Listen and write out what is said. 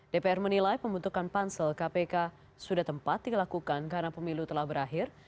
dpr menilai pembentukan pansel kpk sudah tempat dilakukan karena pemilu telah berakhir